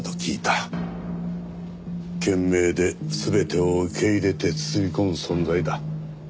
賢明で全てを受け入れて包み込む存在だ。